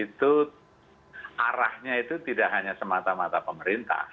itu arahnya itu tidak hanya semata mata pemerintah